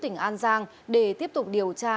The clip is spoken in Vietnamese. tỉnh an giang để tiếp tục điều tra